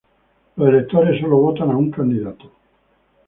Los electores sólo votan a un candidato.